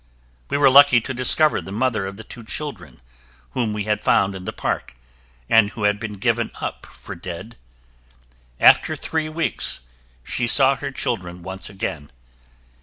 We were lucky to discover the mother of the two children whom we had found in the park and who had been given up for dead. After three weeks, she saw her children once again.